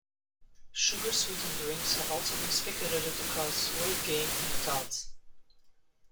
Sugar-sweetened drinks have also been speculated to cause weight gain in adults.